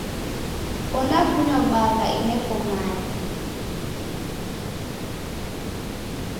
Ondafunywa bagha ineko mae.